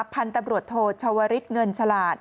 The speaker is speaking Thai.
พันธุ์ตำรวจโทชวริสเงินฉลาด